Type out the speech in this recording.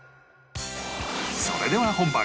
それでは本番